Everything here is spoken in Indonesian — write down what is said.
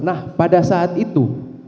nah pada saat itu